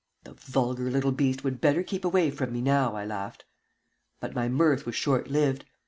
"The vulgar little beast would better keep away from me now," I laughed. But my mirth was short lived.